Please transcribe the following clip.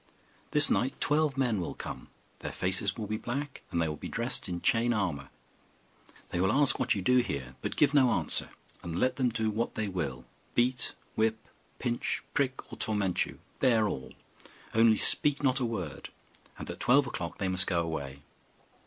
This night twelve men will come: their faces will be black, and they will be dressed in chain armour. They will ask what you do here, but give no answer; and let them do what they will beat, whip, pinch, prick, or torment you bear all; only speak not a word, and at twelve o'clock they must go away.